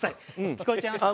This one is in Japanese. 聞こえちゃいました？